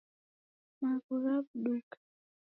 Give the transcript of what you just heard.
Magho ghaw'uduka.